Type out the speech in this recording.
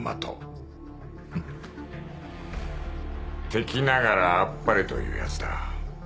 敵ながらあっぱれというやつだ。